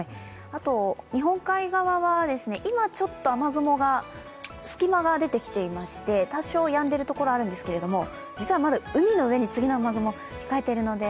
あと日本海側は今、雨雲の隙間ができていまして多少やんでいるところあるんですけど実はまだ海の上に次の雨雲ひかえているので